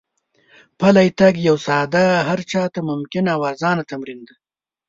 پلی تګ یو ساده، هر چا ته ممکن او ارزانه تمرین دی.